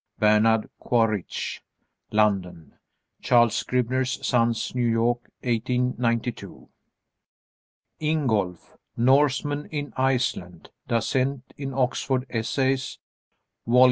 Bernard Quaritch, London; Charles Scribner's Sons, New York, 1892. INGOLF: "Norsemen in Iceland," Dasent in Oxford Essays, Vol.